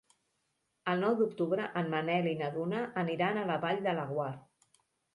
El nou d'octubre en Manel i na Duna aniran a la Vall de Laguar.